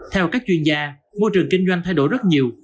theo các chuyên gia môi trường kinh doanh thay đổi rất nhiều